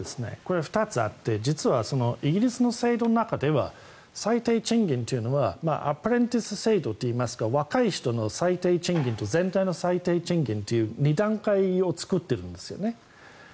２つあってイギリスの制度の中では最低賃金というのはアップレンティス制度といいますが若い人の最低賃金と全体の最低賃金という２段階を作っているんですよね。